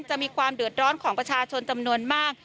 จะมีความเดือดร้อนของประชาชนจำนวนมาก